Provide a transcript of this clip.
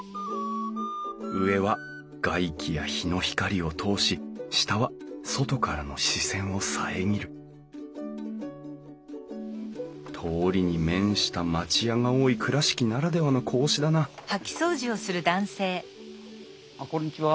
上は外気や陽の光を通し下は外からの視線を遮る通りに面した町屋が多い倉敷ならではの格子だなあっこんにちは。